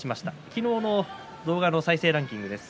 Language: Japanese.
昨日の動画再生ランキングです。